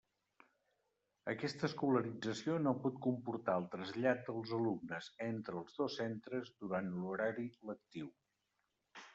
Aquesta escolarització no pot comportar el trasllat dels alumnes entre els dos centres durant l'horari lectiu.